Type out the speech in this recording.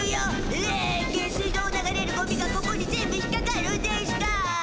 ひえ下水道を流れるゴミがここに全部引っかかるんでしゅか？